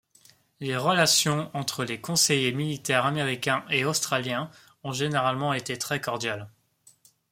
Les relations entre les conseillers militaires américains et australiens ont généralement été très cordiales.